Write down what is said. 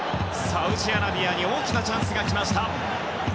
サウジアラビアに大きなチャンスが来ました。